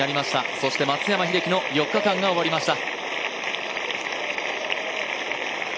そして松山英樹の４日間が終わりました。